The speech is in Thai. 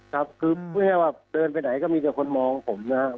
ครับคือพูดง่ายว่าเดินไปไหนก็มีแต่คนมองผมนะครับ